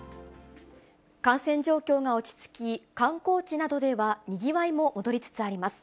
感染状況が落ち着き、観光地などでは、にぎわいも戻りつつあります。